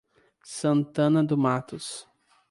Santana do Matos